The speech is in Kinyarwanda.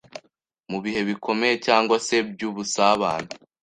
mu bihe bikomeye cyangwa se by’ubusabane